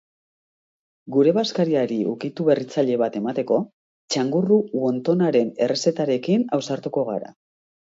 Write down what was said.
Gure bazkariari ukitu berritzaile bat emateko, txangurru wontonaren errezetarekin ausartuko gara.